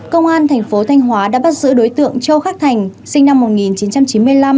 công an thành phố thanh hóa đã bắt giữ đối tượng châu khắc thành sinh năm một nghìn chín trăm chín mươi năm